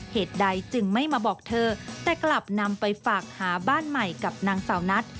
เหตุใดจึงไม่มาบอกเธอแต่กลับนำไปฝากหาบ้านใหม่กับนางสาวนัท